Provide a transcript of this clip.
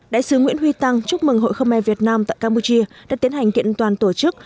đại sứ nguyễn huy tăng chúc mừng hội khơ me việt nam tại campuchia đã tiến hành kiện toàn tổ chức